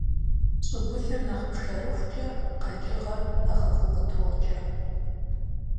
ЩӀыгулъыр нэхъ пшэрыхукӀэ къэкӀыгъэр нэхъыфӀу къытокӀэ.